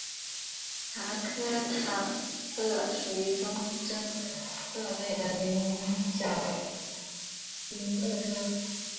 达科塔鳄属于中真鳄类的棱角鳞鳄科。